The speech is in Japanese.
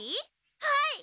はい！